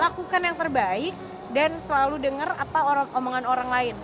lakukan yang terbaik dan selalu dengar apa omongan orang lain